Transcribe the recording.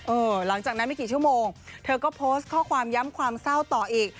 หลังจากนั้นไม่กี่ชั่วโมงเธอก็โพสต์ข้อความย้ำความเศร้าต่ออีก